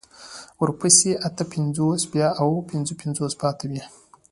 ورپسې اته پنځوس بيا اوه پنځوس پاتې وي.